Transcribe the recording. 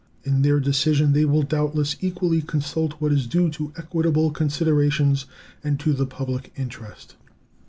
In their decision they will doubtless equally consult what is due to equitable considerations and to the public interest.